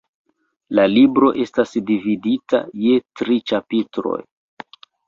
La libro estas dividita je tri ĉapitroj.